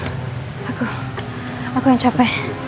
aku aku yang capek